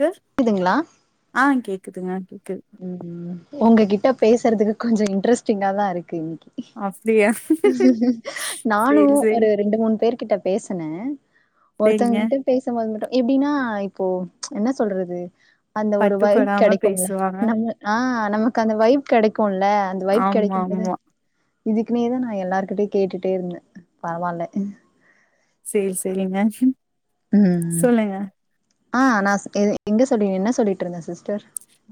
க்கு கேக்குதுங்களா ஆ கேக் குதுங்க ம் உ உங்ககிட்ட பேசுறதுக்கு கொஞ்ச இன்ட்ரெஸ்ட்டிங்கா தா இருக்கு அப்டியா சேரி நானுவு சேரி ஒரு ரெண்டு மூணு பேர் கிட்ட பேசுன ஒருத்தங்க சேரிங்க கிட்ட பேசும்போது மட்டு எப்டினா இப்போ என்ன சொல்றது அந்த ஒரு வைப் பட்டுப்படாம கிடைக்கும்ல பேசுவாங்க நம்து ஆ நமக்கு அந்த வைப் கெடைக்கு போன்ல அந்த வைப் ஆமா கிடைக்கும்போது ஆமா இதுக்குன்னே தா நா எல்லாருக்கிட்டையு கேட்டுட்டே இருந்தே பரவால்ல சேரி செரிங்க ம் சொல்லுங்க ஆ நா எங்க சொல்லி என்ன சொல்லிட்டுருந்தே சிஸ்டர்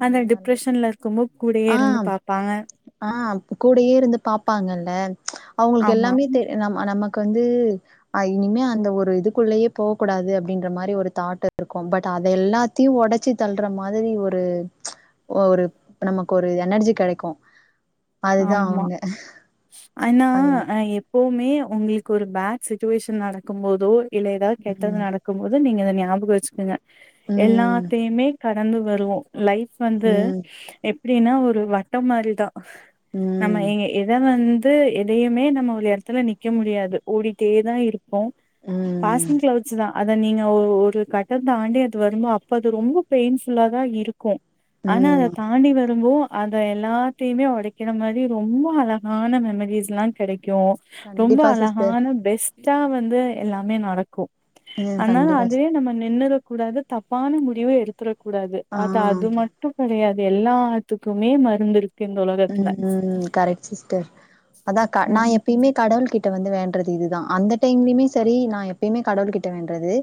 அந்த டிப்ரெஷன்ல இருக்கும்போ கூடயே ஆ இருந்து பாப்பாங்க ஆ கூடயே இருந்து பாப் ப்பாங்கள்ள ஆமா அவங்களுக்கெல்லாமே தெ நம்ம நம்ம வந்து அ இனிமே அந்த ஒரு இதுக்குள்ளயே போ கூடாது அப்டின்ற மாரி ஒரு தாட் இருக்கும் பட் அதை எல்லாத்தையு உடைச்சி தள்ற மாரி ஒரு ஒரு நமக்கொரு எனர்ஜி கெடைக்கு ஆமா அதுதா ஆனாஆ எப்வுமே மே உங்களுக்கு ஒரு பேட் சிச்சுவேஷன் நடக்கும் போதோ இல்ல ஏதாவது கெட்டது ம் நடக்கும் போது நீங்க எ ஞாபகோ வச்சிக்குங்க ம் எல்லாத்தையுமே க நந்து வருவோ லைஃப் வந்து ம் எப் ப்டினா ஒரு வட்டம் மாரிதா நம்ம ம் ஏ எத வந் ஏ எதையுமே நம்ம ஒரு எடத்துல நிக்க முடியாது ஓடிட்டே தான் இருப்பே அப்போ ம் பாசிங் கிளவுட்சுதான் அதை நீங்க ஒரு கட்டடோ தாண்டி அது வருமோ அப்போ அது ரொம்ப பெயின்ஃபுல்லா தான் இருக்கும் ஆனா அத ம் தாண்டி வரும்போ அந்த எல்லாத்தையுமே உடை இந்த மாரி ரொம்ப அழகான மெமரிஸ் லாம் கிடைக்கும் அப்பரோ ரொம்போ கண்டிப்பா சிஸ்டர் அழகான பெஸ்ட் டா வந்து எல்லாமே நடக்கோ ம் அனால கண்டிப்பா சிஸ் அதவே நம்ம நின்னரு கூடாது தப்பான முடிவ எடுத்துட கூடாது அதா அது ஆ மட்டும் கெடையாது எல்லாத்துக்குமே மருந்து இருக்கு உலகத்துல உம் கரெக்ட் சிஸ்டர் அதான் நா ம் எப்பயுமே கடவுள் கிட்ட கிட்ட வந்து வேண்றது இதுதான் அந்த டைம்லயுமே சரி நான் எப்பயுமே கடவுள் கிட்ட வேன்றறது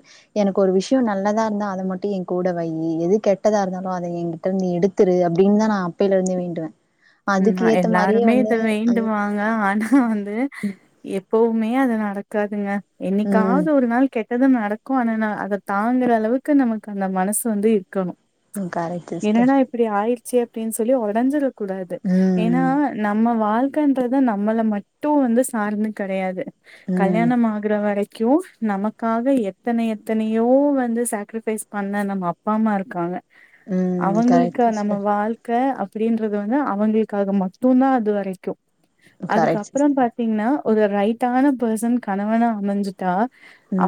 எனக்கு ஒரு விஷயம் நல்லதா இருந்தா அதை மட்டும் என் கூட வை எது கெட்டதா இருந்தாலும் அதை என்கிட்ட இருந்து எடுத்துரு அப்படின்னுதான் நான் அப்பையில இருந்துே வேண்டுவேன் உம் எல்லாருமே இத வேண்டுவாங்க ஆனா வந்து எப்போ உண்மையே அது நடக்காதுங்க ம் என்னைக்காவது ஒரு நாள் கெட்ட ஏதோ நடக்கும் ஆனா அதை தாங்குற அளவுக்கு நமக்கு அந்த மனசு வந்து இருக்கணும் ம் கரெக்ட் சிஸ்டர் என்னன்னா இப்படி ஆயிருச் செரி ஓகேனு சொல்லி ஒடஞ்சுற கூட ஏன்னா ம் நம்ம வாழ் இருக்கு கின்றத நம்மள மட்டும் வந்து சார்ந்து கிடையாது ம் கல்யாணம் ஆகுரவரை- க்கியோ நமக்காக எத்தனை எத்தனையோ வந்து சேக்ரிபைஸ் பண்ண நம்ம அப்பா அம்மா இருக்காங்க ம் அவங்களுக்கு கரெக்ட் நம்ம சிஸ்டர் வாழ்க்க அப்டின்றது வந்து அவங்களுக்காக மட்டும் தான் அது வரைக்கும் கரெக்ட் அதுக்கப்புறம் சிஸ்டர் பாத்தீங்கன்னா ஒரு ரைட்டான பர்சன் கணவணா அமைஞ்சுட்டா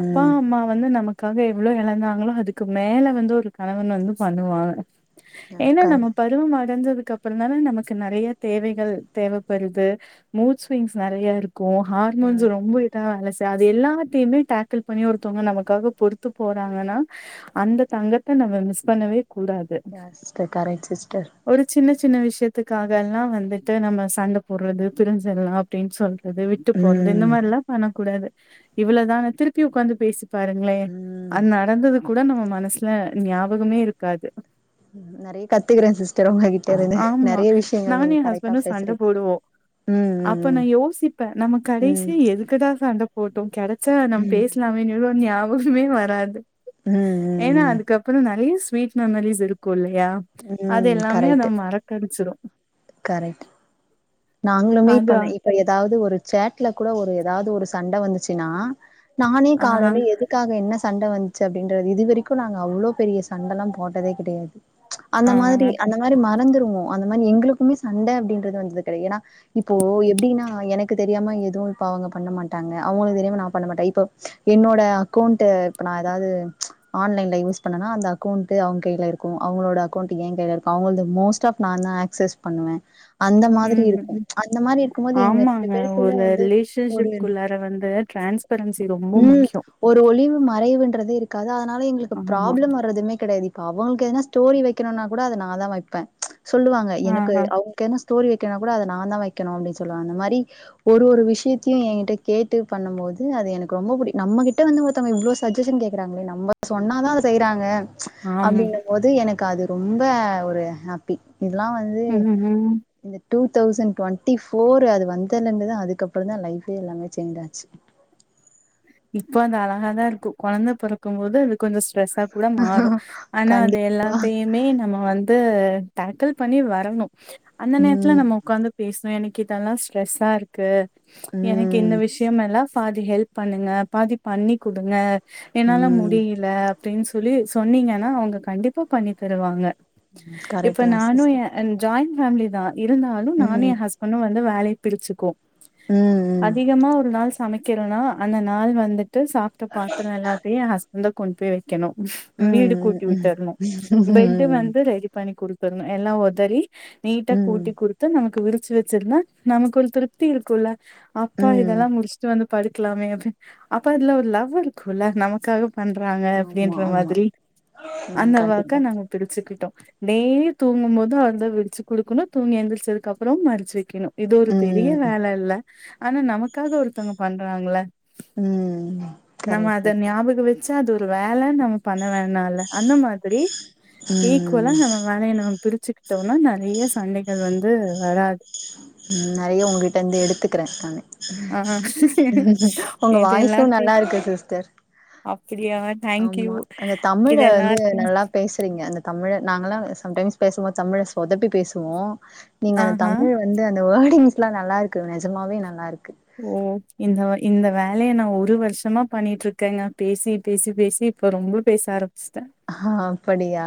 அப்பா அம்மா வந்து நமக்கு அதுக்காக எவ்ளோ எழந்தாங்களோ அதுக்கு மேல வந்து ஒரு கணவன் வந்து பண்ணுவாங்க யா ஏன்னா நம்ம கரெக்ட் பருவம் அடந்த கப்பற [unintelligible] அதனால நமக்கு நறைய தேவைகள் தேவைப்படுது மூத் ஸ்விங்ஸ் நிறைய இரு இரு யா ஹார்மோன்ஸ் ரொம்ப இதா வேல அது எல்லாத்தையுமே டேக்கிள் பண்ணி ஒருத்தவங்க நமக்காக பொறுத்து போறாங்கன்னா அந்த தங்கத்தை நம்ம மிஸ் பண்ணவே கூடாது யா சிஸ்டர் கரெக்ட் சிஸ்டர் ஒரு சின்ன சின்ன விஷயத்துக்காக எல்லா வந்துட்டு நம்ம சண்டை போடுறது பிரிஞ்சிடலா அப்படின்னு சொல்ற அது விட்டு போறது இந்த ம் மாரிலா பண்ணா கூடாது இவ்வளதானே திருப்பி உட்காந்து பேசக் பாருங்களே ம் அது நடந்தது கூட நம்ம மனசுல ஞாபகமே இருக்காது நிறைய கத்துக்குறேன் சி்ஸ்டர் உங்ககிட்ட இருந்து ஆமா நெறைய விஷயங்கள் நீங்க நானுஎன் கரெக்டா ஹஸ்பண்டு சண்ட பேசுறீங்க போடுவோம் அப்ப ம் நா யோசிப்பேன் நம்ம ம் கடைசியா எதுக்குடா சண்ட ஓட்டோ கெடை [unintelligible] சார் நம்ப பேசலாமே நியூ ஞாபகமே வராது ம் ம் ஏன்னா ம் ம் அதுக்கப்புறம் நிறைய ஸ்வீட் மெமரீஸ் இருக்குலேயா ம் யஅது ம் எல்லாமே அத கரெக்ட்டு மற முச்சிடும் கரெக்ட் நாங்களுமே அதா இப்பஇப்ப ஏதாவது ஒரு சேட்டுல கூட ஒரு எதாவது ஒரு சண்ட வந்துச்சுன்னா நானே ஆ, காலையில எதுக்காக என்ன சண்ட வந்துச்சு அப்படின்றது இதுவரைக்கும் நாங்கள் அவ்வளோ பெரிய சண்டைலாம் போட்டதே கிடையாது ஆ. அந்த மாதிரி அந்த மாதிரி மறந்துருவோ அந்த மாதிரி எங்களுக்கு எப்பவுமே சண்டை அப்படின்றது வந்தது கிடையா ஏன்னா இப்போ எப்படின்னா எனக்கு தெரியாம எதுவும் இப்ப அவங்க பண்ண மாட்டாங்க அவங்களுக்கு தெரியாம நான் பண்ண மாட்டேன் இப்போ என்னோட அக்கௌண்ட இப்ப நான் ஏதாவது ஆன்லைன்ல யூஸ் பண்ணேனா அந்த அக்கௌண்ட் அவங்க கையில இருக்கும் அவங்களோட அக்கௌண்ட் என் கையில இருக்கும் அவங்கள மோஸ்ட் ஆஃப் நான் தான் ஆக்சிஸ் பண்ணுவே ஹும்ஹு அந்த மாரி இருக்கும்போது எங்க ரெண்டு ஆமாங்க பேருக்குள்ள ஒரு வந்து ஒரு ரிலேஷன்ஷிப்குள்ளார வந்து டிரான்ஸ்பரன்சி ரொம்ப முக்கியோ மறைவுன்றது இருக்காது அதா அதுனால எங்களுக்கு ப்ராப்ளம் வர்றதுமே கிடையாது இப் அவங்களுக்கு எதனா ஸ்டோரி வைக்கணும்னா கூட அதை நான் தான் வைப்பேன் சொல்லுவாங்க ஆ, எனக்கு அவங்களுக்கென்ன ஸ்டோரி வெக்குனா கூட அத நா தா வெக்கணோ அப்டின்னு சொல்லுவாங்க அந்த மாரி ஒரு ஒரு விஷியத்தையோ என்கிட்ட கேட்டு பண்ணும்போது அது எனக்கு ரொம்ப புடி நம்பகிட்ட வந்து ஒருத்தவங்க இவ்ளோ சஜஷன் கேட்குறாங்களே நம்ப சொன்னாதா அத செய்யிறாங்க ஆமா. அப்படின்னும் போது எனக்கு அது ரொம்ப ஒரு ஹாப்பி இதெல்லாம் வந்து ம், ம் இந்த டூ தௌசண்ட் டவெண்டி ஃபோர் அது வந்தல இருந்துதா அதுக்கப்புறம்தா லைஃபே எல்லாமே சேஞ்ச் ஆச்சு. இப்போ அந்த அழகாதா இருக்கு கொழந்த பொறக்கும்போது அது கொஞ்ச ஸ்ட்ரெஸ்ஸா கூட மாறு ஆனா கண்டி அது எல்லாத்தையுமே நம்ம வந் தி டேக்கிள் பண்ணி வரணு அந்த நேரத்துல ம் நம்ம உக்காந்து பேசுனோ எனக் கு இதெல்லா ஸ்ட்ரெஸ்ஸா இருக்கு எனக்கு இந்த ம் விஷியோமெல்லா பாதி ஹெல்ப் பண்ணுங்க பாதி பண்ணி குடுங்க என்னால ம் முடியில அப்டின்னு சொல்லி சொன்னீங்கன்னா அவங்க கண்டிப்பா பண்ணி தருவாங்க இப்ப கரெக்ட் தா நானு ஏ சிஸ்டர் அ ஜாயின் ஃபேமிலிதா இருந்தாலு நானு ம் என் ஹஸ்பண்டு வ ந்து வேலைய பிரிச்சுக்குவோ ம் அதிகமா ஒரு நாள் சமைக்கிறோன்னா அந்த நாள் வந்து ட்டு சாப்ட்டு பாத்தனா எல்லாத்தையு என் ஹஸ் பண்ட்தா கொண்டு போய் வைக்கணு. ம் வீடு ம் கூட்டி ம் விட்டரணு பெட்டு ம் வந்து ரெடி பண்ணி குடு த்தரணு எல்லா ஒதறி நீட்டா ம் கூட்டி குடுத்து நமக்கு விரி ச்சு வச்சிருந்தா நமக்கு ஒரு திருப்தி இருக்குல்ல அப்பா ம் இதெல்லா முடிச்சுட்டு வந்து படு க்லாமே அப்டின்னு அப்ப அதுல ஒரு லவ் இருக்குல்ல நமக்காக பண்றாங்க ஆமா அப்டின்ற ஆமா மாதிரி ம் அந்த ஒர்க்க கண்டிப்பா நாங்க பிரிச்சுக்கிட்டோ டெய்லியு தூங்கும் போது அவர்தா விரிச்சு குடுக்கணு தூங்கி எந்திரிச்சதுக்குப்புறோ மடிச்சு வை க்கணு இது ஒரு பெரிய ம் வேல இல்ல ஆனா நமக்காக ஒருத்தங்க பண் றாங்கல்ல ம் நம்ம கரெக்ட் அத சிஸ் ஞாபக வெச் ச்சு அது ஒரு வேலன்னு நம் ம பண்ண வேணால்ல அந்த மாதிரி ஈக்வலா ம் நம்ம வேலய நம்ம பிரிச்சுக்கிட்டோன்னா நெறைய சண்டைகள் வந்து வராது ம் நெறைய உங்ககிட்ட இருந்து எடுத்துக்குறே நானு ஆ உங்க இது வாய்ஸு எல்லாத்தையு நல்லா இருக்கு சிஸ்டர். அப்படியா தேங்க்யூ ஆமா அந்த தமிழ இது வந்து எல்லாத்தையு நல்லா பேசுறீங்க அந்த தமிழ நாங்கல்லா சம்டைம்ஸ் பேசும்போது தமிழ சொதப்பி பேசுவோ ஆஹா ழ வந்து அந்த வேர்டிங்ஸ்லா நல்லா இருக்கு நெஜமாவே நல்லாருக்கு ஓ இந்த இந்த வேலைய நா ஒரு வருஷமா பண்ணிட்ருக்கேங்க. பேசி பேசி பேசி இப்ப ரொம்ப பேச ஆர அஹ்ஹா அப்படியா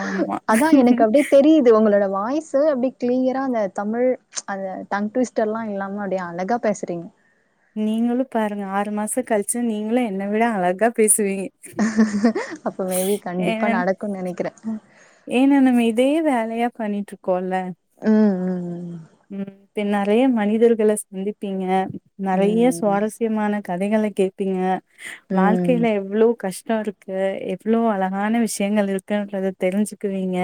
ஆமா அதா எனக்கு அப்டியே தெரியுது உங்களோட வாய் ஸு அப்டி கிளியரா அந்த தமிழ் அந்த டங்டுவிஸ்ட் எல்லா இல்லாம அப்டியே அழகா பேசறீங்க. நீங்களு பாருங்க ஆறு மாச கழிச்சு நீங்களு என்ன விட அழகா பேசு அப்ப மேபி ஏ கண்டிப்பா நடக்குன்னு நெனைக்கறே யா கண்ணிட்ருக் கோல்ல ம் ம் இப்டி நெறைய மனிதர்கள சந்திப்பீங்க ம். நெறைய ம், சுவாரஸ்யமான கதைகள கேப்பீங்க வாழ்க்கைல ம். எவ்ளோ கஷ் டோ இருக்கு எவ்ளோ அழகான விஷயங்கள் இருக்குன்றத தெரிஞ்சுக்குவீங்க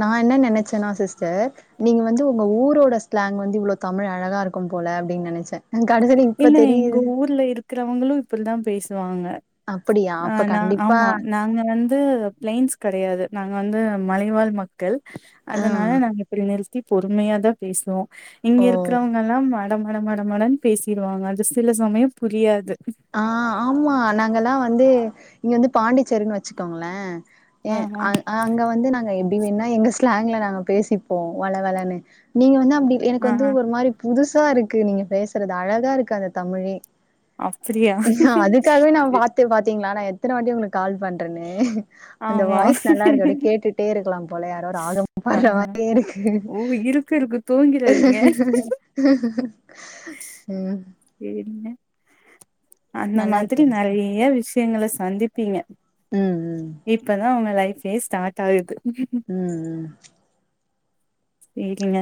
நா என்ன நெனச்சேன்னா சிஸ்டர் நீங்க வந்து உங்க ஊரோட ஸ்லாங் வந்து இவ்ளோ தமிழ் அழகா இருக்கும் போல அப்டின்னு நெனச்சே கடைசில இப்ப இல்ல எங்க தெரியுது ஊர்ல இருக்கு றவங்களு இப்பிடிதா பேசுவாங்க அப்படியா ஆ அப்ப நா கண்டிப்பா ஆமா நாங்க வந்து ப்ளைன்ஸ் கெடையாது நா ங்க வந்து மலைவாழ் மக்கள் ஆ அதனால நாங்க இப்பிடி நிறு த்தி பொறுமையாதா பேசுவோ இங்க ஓ இருக்குறவங்கல்லா ம டமடமடமடன்னு பேசி ருவாங்க அது சில சமயோ புரியாது ஆ ஆமா நாங்கல்லா வ ந்து இங்க வந்து பாண்டிச்சேரின்னு வச்சுக்கோங்களே ஏ ஆ ஆ அ அங்க வந்து நாங்க எப்டி வேண்ணா எங்க ஸ்லாங்ல நாங்க பேசிப்போ வளவளன்னு நீங்க வந்து அ அப்டி எனக்கு ஆ வந்து ஆ ஒரு மாரி புதுசா இருக்கு நீங்க பேசறது அழகா இருக்கு அந்த தமிழே. அப்டியா அதுக்காகவே நா பாத்து பாத் தீங்ளா நா எத்தன வாட்டி உங்களுக்கு கால் பண்றன்னு அந்த ஆமா வாய்ஸ் நல்லாருக்கு அப்டியே கேட்டுட்டே இருக்கலாம் போல யாரோ ராகம் ஆ பாட்ற ஆ மாரியே இருக்கு. ஓ இருக்கு இருக்கு தூங்கிறாதீங்க ம் என்ன அந்த நல்லா இருக்கு மாதிரி சிஸ்டர் நெறைய விஷயங்கள சந்திப் பீங்க ம் ம் இப்பதா உங்க லை ஃபே ஸ்டார்ட் ஆயிருக்கு ம் ம் சேரிங்க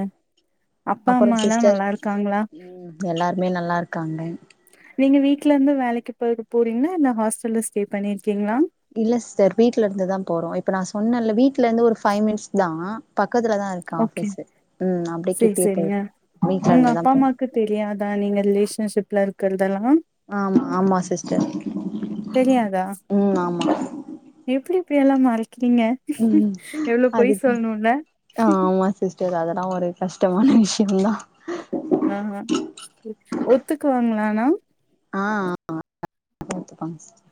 அப்பா அப்பறோ அம்மாலா சிஸ்டர் நல்லா இருக்காங்களா ம் எல்லாருமே நல்லா இரு க்காங்க நீங்க வீட்ல இருந்து வேலைக்கு போ போறீங்ளா இல்ல ஹாஸ்டல்ல ஸ்டே பண்ணியிருக்கீங்ளா? இல்ல சிஸ்டர் வீட்ல இருந்துதா போறோ இப்ப நா சொன்னேல்ல வீட்ல இருந்து ஒரு ஃபைவ் மினிட்ஸ்தா ஓகே அப்டியே சேரி கிட்டயே சேரிங்க போயிரு வீட்ல உங்க இருந்துதா அப்பா போனு அம்மாக்கு தெரியாதா நீங்க ரிலேஷன்ஷிப்ல இரு ஆமா ஆமா சிஸ்டர் தெரியாதா ம் ஆமா எல்லா மறை க்கிறீங்க எவ்ளோ பொய் சொல்ணுல்ல அ ஆமா சிஸ்டர் அதல்லா ஒரு கஷ்டமான விஷ்யந்தா ஆ ஆ ம் ஒத்துக்குவாங்களா ஆனா ஆ ஆமா [inaudible] ஒத்துப்பாங்க சிஸ்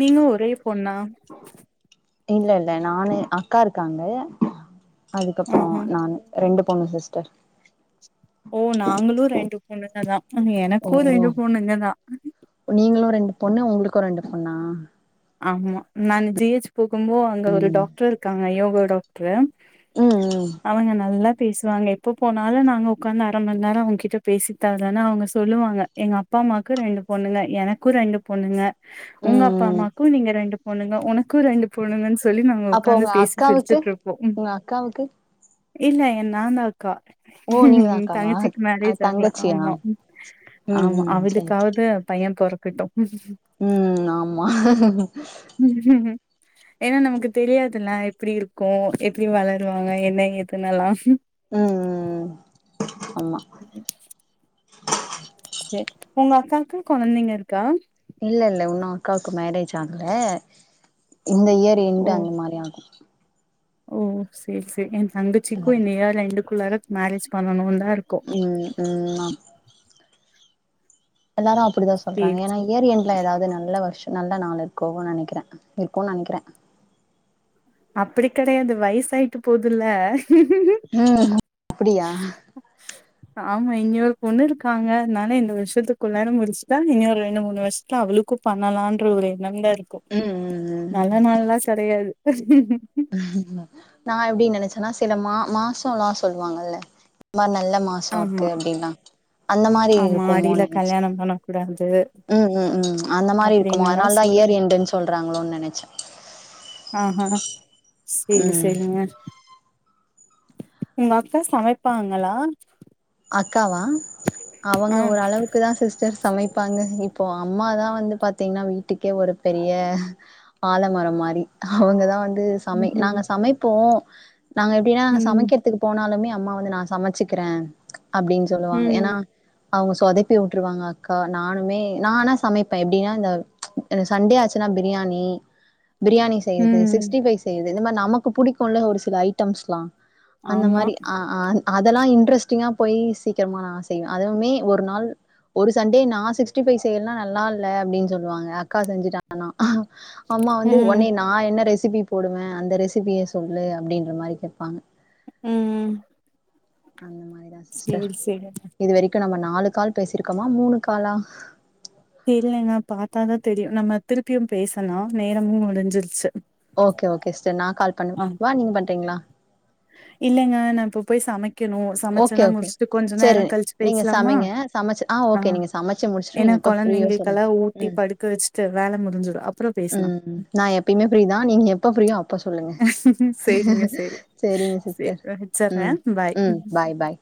நீங்க ஒரே பொண்ணா? இல்ல இல்ல நானு அக்கா இருக்காங்க அதுக்கப்றோ ஆஹா நானு ரெண்டு பொண்ணுக சிஸ்டர் ஓ நாங்களு ரெண்டு பொண்ணுகதா அண்ட் ஓ எனக்கு ரெண்டு பொண்ணுகதா நீங்களு ரெண்டு பொண்ணு உங்ளுக்கு ரெண்டு பொண்ணா? ஆமா நானு ஜி ஹெச் போகும்போ அங்க ஒரு டாக்டர் இருக்காங்க யோகோ டாக்ட்ரு ம் ம் அவங்க நல்லா பேசுவாங்க எப்ப போனாலு நாங்க உக்காந்து அர மண் நேரோ அவங்ககிட்ட பேசித்தாதான அவங்க சொல்லுவாங்க எங்க அப்பா அம்மாக்கு ரெண்டு பொண்ணுங்க எனக்கு ரெண்டு பொண்ணுங்க உங்க ம் அப்பா ம் அம்மாக் கு நீங்க ரெண்டு பொண்ணுங்க உனக்கு ரெண்டு பொண்ணுங்கன்னு சொல்லி நாங்க அப்போ உக்காந்து உங்க பேசி அக்காவுக்கு சிரிச்சுட்டு இருப்போ உங்க அக்காவுக்கு இல்ல ஏ நான்தா அ க்கா ஓ நீங்கதா அக்காவா தங்கச்சிக்கு மேரேஜ் ஆகல தங்கச்சியா ஆமா ம் ஆமா ம் சரி அவளுக்காவது பைய பொற க்கட்டு ம் ஆமா [unintelligible] ஆஹ ஏன்னா நமக்கு தெரியாதுல்ல எப்பிடி இருக்கு எப்பிடி வளருவாங்க என்ன ஏதுன்னெல்லா ம் ம் ஆமா [unintelligible] சேரி உங்க அக்காக்கு கொழந்தைங்க இருக்கா? இல்ல இல்ல இன்னு அக்காக்கு மேரேஜ் ஆகல இந்த இயர் எண்டு ஓ அந்த மாரி ஆகு ஓ சேரி சேரி என் தங்கச்சிக்கு இந்த இயர் எண்டுக்குள்ளாற மேரேஜ் பண்ணணுந் ம் ம்மா எல்லாரும் அ ப்படிதா சொல்றாங்க சேரி ஏன்னா சேரி இயர் எண்டுல ஏதாவது நல்ல வருஷ நல்ல நாள் இருக்கு நெனைக்கிறே இருக்குன்னு நா நெனைக்கிறே. அப்பிடி கெடையாது வயசு ஆயிட்டு போகுதல்ல? ம் ஹும் அப்பிடியா? ஆமா இன்னியொரு பொண்ணு இருக்காங்க அதனால இந்த வருஷத்துக்குள்ளார முடிச்சுட்டா இன்னொரு ரெண்டு மூணு வருஷத்துல அவளுக்கு பண்ணலான்ற ஒரு எண்ணம்ல இருக்கோ ம் ம் நல்ல நாள்லா கெடையாது [unintelligible] இல்ல நா எப்டி நெனைச்சேன்னா சில மா மாசோ எல்லா சொல்வாங்கல்ல [unintelligible] நல்ல மாசோ இருக்கு ஆமா அப்டில்லா அந்த மாரி ஆமா ஆடியில இருக்குமோன்னு நெனைச்சே கல்யாணம் பண்ண கூடாது ம் ம் ம் அந்த மாரி இருக்குமோ அப்டின்னுல்லா அதனாலதா சொல்லு இயர் எண்டுன் சொல்றாங்களோன்னு நெனைச்சே ஆ ஹா சேரி ம் சேரிங்க உங்க அக்கா சமைப்பாங்களா அக் அக்காவா அவங்க ஆ ஓரளவுக்கு தா சிஸ்டர் சமைப்பாங்க இப் இப்போ அம்மா தா வந்து பாத்தீங்கன்னா வீட்டுக்கே ஒரு பெரிய ஆலமரம் மாரி அவங்க தா வந்து இது சமை ம் நாங்க சமைப்போம் நாங்க எப்டின்னா ம் சமைக்கிறதுக்கு போனாலுமே அம்மா வந்து நா சமைச்சுக்கிறேன் அப்டின்னு சொல்லுவாங்க ம் ஏன்னா அவங்க சொதப்பி விட்டுருவாங்க அக்கா நானுமே நா ஆனா சமைப்பேன் எப்டின்னா இந்த சண்டே ஆச்சுன்னா பிரியாணி பிரியாணி செய்றது ம் சிக்ஸ்டி பைவ் செய் இந்த மாரி நமக்கு பிடிக்கும்ல ஒரு சில ஐட்டம்ஸ்லாம் அந்த ஆமா மாரி ஆ ஆ அதெல்லா இன்ட்ரஸ்ட் யா போய் சீக்கிரமா நா செய் அதுவுமே ஒரு நாள் ஒரு சண்டே நா சிக்ஸ்டி பைவ் செய்யலன்னா நல்லா இல்ல அப்டின்னு சொல்லுவாங்க அக்கா செஞ்சுட்டாங்கனா அ அம்மா வந்து ம் உன்னே நா என்ன ரெ சிபி போடுவேன் அந்த ரெசிபிய சொல்லு அப்டின்ற மாதிரி மாரி கேப்பாங்க ம் ம் அந்த மாரிதா சிஸ்டர் சேரி சேரி இது வரைக்கு நம்ம நாலு கால் பேசிருக்கோமா மூணு காலா இல்லங்க பாத்தா தா தெரியும் நம்ம திருப்பியும் பேசலா நேரமும் முடிஞ்சிருச்சு ஓகே ஓகே சிஸ் டர் நா கால் ஆ பண்ணவா நீங்க பண்றீங்களா இல்லங்க நா இப்ப போய் சமைக் கனும் ஓகே சமைச்சுலா ஓகே முடிச்சுட்டு கொஞ்ச சரி நேரம் கழிச்சு நீங்க பேசலாமா சமைங்க சமைச்சு ஆ அ ஓகே நீங்க சமைச்சு முடிச்சுட்டு என்னா நீங்க எப்ப ஃப்ரீயோ சொல்லுங்க கொழந்தைங்கெல்லா ஊட்டி ம் படுக்க வச்சுட்டு வேலை முடிஞ்சிடும் அப் ம் நா எப்பயுமே ஃப்ரீதா நீங்க எப்ப ஃப்ரீயோ அப்ப சொல்லுங்க சேரிங்க சேரி சேரிங்க சேரி சிஸ்டர் ம் வச்சர்றேன் பாய் ம் பாய் பாய்.